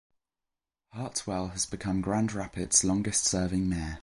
Heartwell has become Grand Rapids' longest-serving mayor.